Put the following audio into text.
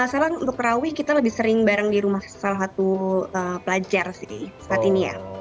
salam untuk rawih kita lebih sering bareng di rumah salah satu pelajar sih saat ini ya